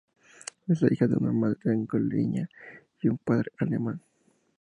Es la hija de una madre angoleña y un padre alemán.